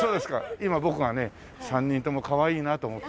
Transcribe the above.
今僕はね３人ともかわいいなと思って。